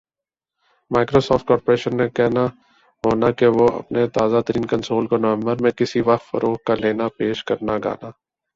Microsoft Corporation نے کہنا ہونا کہ وُہ اپنا تازہ ترین کنسول کو نومبر میں کِسی وقت فروخت کا لینا پیش کرنا گانا